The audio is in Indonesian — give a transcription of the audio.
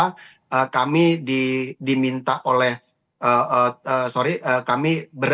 karena kami diminta oleh sorry kami